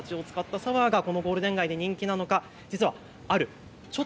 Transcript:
なぜこのすだちを使ったサワーがゴールデン街で人気なのか。